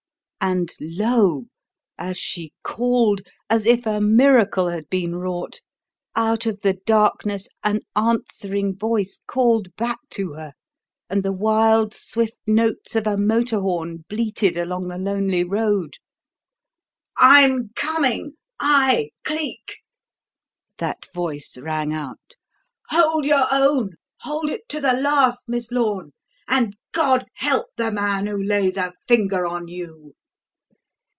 And lo! as she called, as if a miracle had been wrought, out of the darkness an answering voice called back to her, and the wild, swift notes of a motor horn bleated along the lonely road. "I'm coming I Cleek!" that voice rang out. "Hold your own hold it to the last, Miss Lorne, and God help the man who lays a finger on you!"